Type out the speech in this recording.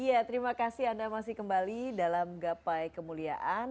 iya terima kasih anda masih kembali dalam gapai kemuliaan